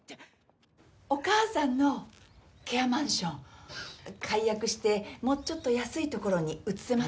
お母さんのケアマンション解約してもうちょっと安い所に移せません？